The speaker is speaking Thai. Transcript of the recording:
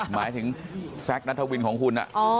หมายถึงแซคนัทวินของคุณ